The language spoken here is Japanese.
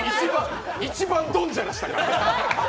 一番ドンジャラしたから。